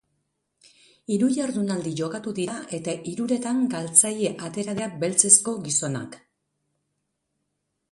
Hiru jardunaldi jokatu dira, eta hiruretan galtzaile atera dira beltzezko gizonak.